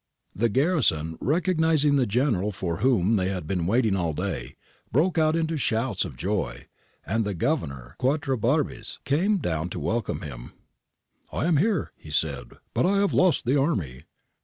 The garrison, recognising the General for whom they had been waiting all day, broke out into shouts of joy, and the Governor, Quatrebarbes, came down to welcome him. ' Here I am,' he said, ' but I have lost the army.'